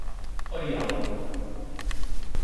推友